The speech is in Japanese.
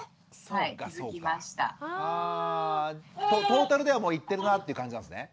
トータルではもういってるなっていう感じなんですね？